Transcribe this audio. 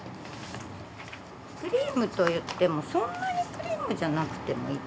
クリームといってもそんなにクリームじゃなくてもいいと。